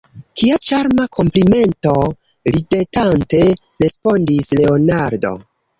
Kia ĉarma komplimento! ridetante respondis Leonardo.